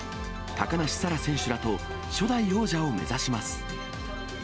高梨沙羅選手らと、初代王者を目指します。